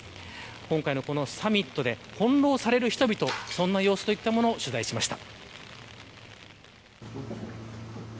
今回のこのサミットで翻弄される人々そんな様子を取材しました。